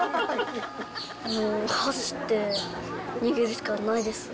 走って逃げるしかないですね。